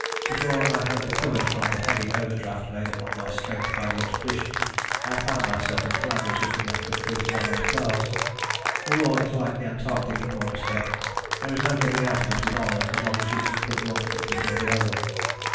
Before I had recovered from the heavy overdraft made on my strength by the expedition I found myself in Flanders looking after a fleet of armoured cars. A war is like the Antarctic in one respect. There is no getting out of it with honour as long as you can put one foot before the other.